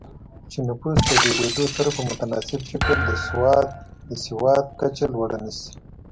چې نفوس د ډېرېدو سره په متناسب شکل د سواد کچه لوړه نه شي